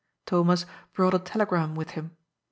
Thomas brought a tele gram with him.